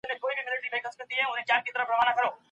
عضلات له کمزورۍ سره مخ کېږي.